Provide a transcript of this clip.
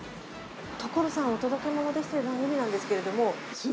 『所さんお届けモノです！』という番組なんですけれども。